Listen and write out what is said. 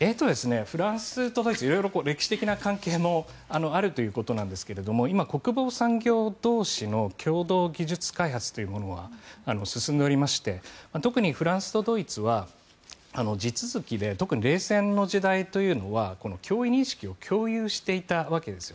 フランスとドイツは色々な歴史的な関係もあるということなんですが今、国防産業同士の共同技術開発というものを進んでおりまして特にフランスとドイツは地続きで特に冷戦の時代というのは脅威認識を共有していたわけです。